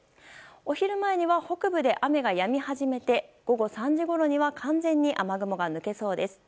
お昼前には北部で雨がやみ始めて午後３時ごろには完全に雨雲が抜けそうです。